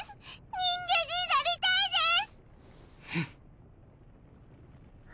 人間になりたいです！